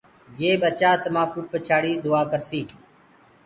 يي ٻچآ تمآنٚ ڪوُ پڇآڙيٚ دُئآ ڪرسيٚ